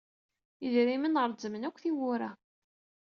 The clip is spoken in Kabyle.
Idrimen reẓẓmen akk tiwwura.